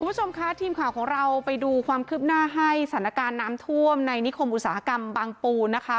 คุณผู้ชมคะทีมข่าวของเราไปดูความคืบหน้าให้สถานการณ์น้ำท่วมในนิคมอุตสาหกรรมบางปูนะคะ